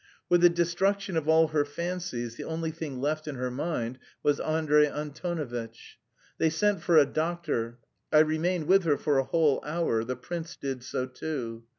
With the destruction of all her fancies, the only thing left in her mind was Andrey Antonovitch. They sent for a doctor. I remained with her for a whole hour; the prince did so too.